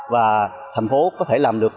và thành phố có thể làm được